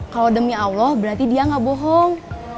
kalau demi allah berarti dia gak bohong